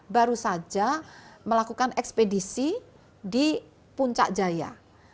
baru saja melakukan ekspedisi di puncak jaya